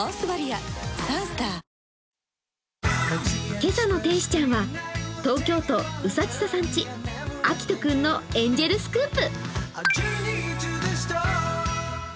今朝の天使ちゃんは東京都うさちささん家あきとくんのエンジェルスクープ。